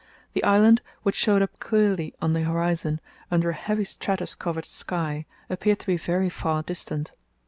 The island, which showed up clearly on the horizon, under a heavy stratus covered sky, appeared to be very far distant.